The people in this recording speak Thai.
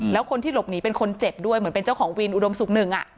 แล้วคนที่หลบหนีเป็นคนเจ็บด้วยเหมือนเป็นเจ้าของวินอุดมศุกร์หนึ่ง